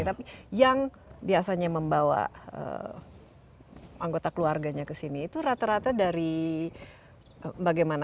tapi yang biasanya membawa anggota keluarganya ke sini itu rata rata dari bagaimana